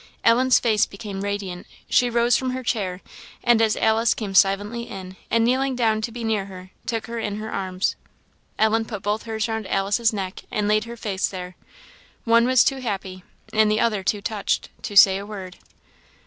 Ellen's face became radiant; she rose from her chair, and as Alice came silently in, and kneeling down to be near her, took her in her arms, Ellen put both hers round Alice's neck, and laid her face there; one was too happy and the other too touched, to say a word.